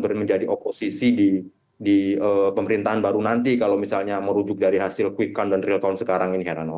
kemudian menjadi oposisi di pemerintahan baru nanti kalau misalnya merujuk dari hasil quick count dan real count sekarang ini herano